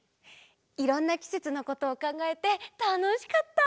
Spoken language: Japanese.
いろんなきせつのことをかんがえてたのしかった！